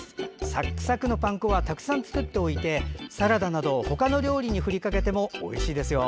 サクサクのパン粉はたくさん作っておいてサラダなど、他の料理に振りかけてもおいしいですよ。